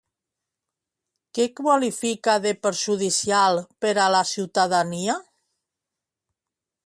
Què qualifica de perjudicial per a la ciutadania?